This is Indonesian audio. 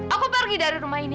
aku pergi dari rumah ini